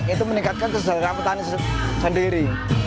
itu meningkatkan kesejahteraan petani sendiri